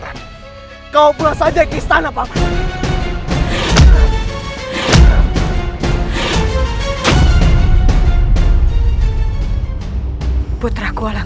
masuklah ke dalam